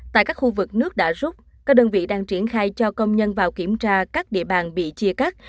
tại các khu vực nước đã rút các đơn vị đang triển khai cho công nhân vào kiểm tra các địa bàn bị chia cắt